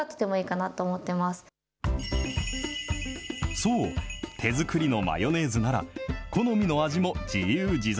そう、手作りのマヨネーズなら、好みの味も自由自在。